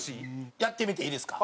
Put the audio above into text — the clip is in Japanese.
やってみていいですか？